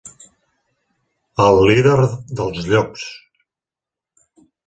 El líder dels llops.